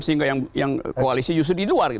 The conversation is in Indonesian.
sehingga yang koalisi justru di luar